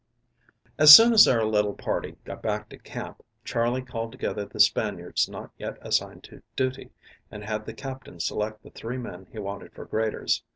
AS soon as our little party got back to camp, Charley called together the Spaniards not yet assigned to duty, and had the Captain select the three men he wanted for graders.